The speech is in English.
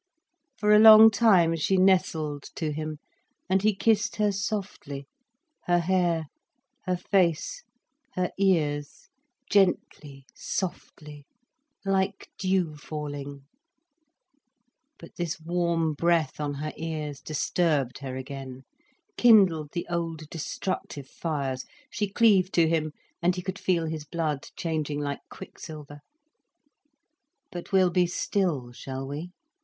For a long time she nestled to him, and he kissed her softly, her hair, her face, her ears, gently, softly, like dew falling. But this warm breath on her ears disturbed her again, kindled the old destructive fires. She cleaved to him, and he could feel his blood changing like quicksilver. "But we'll be still, shall we?"